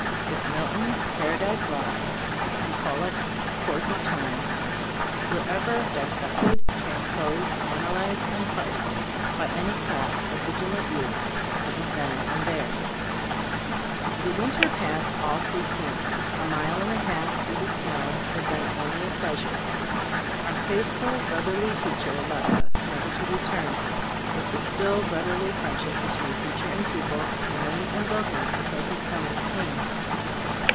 If Milton's "Paradise Lost," and Pollok's "Course of Time" were ever dissected, transposed, ana lyzed and "parsed" by any class of vigilant youths, it was then and there. The winter passed all too soon. A mile and a half through the snow had 9* Cbe 5torg of fl&£ Gbtldbood been only a pleasure. Our faithful, brotherly teacher left us, never to re turn ; but the still brotherly friendship between teacher and pupil remained unbroken until his summons came.